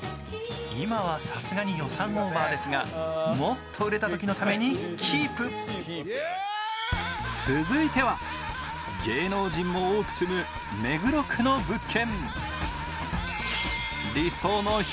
今はさすがに予算オーバーですがもっと売れた時のためにキープ続いては芸能人も多く住む目黒区の物件